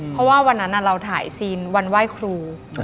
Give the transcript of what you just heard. เพราะว่าวันนั้นเราถ่ายซีนวันไหว้ครู